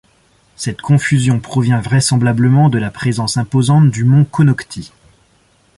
Cette confusion provient vraisemblablement de la présence imposante du mont Konocti.